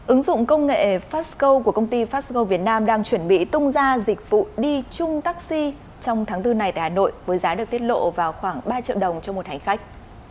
ứng dụng công nghệ fasco của công ty fasgo việt nam đang chuẩn bị tung ra dịch vụ đi chung taxi trong tháng bốn này tại hà nội với giá được tiết lộ vào khoảng ba triệu đồng cho một hành khách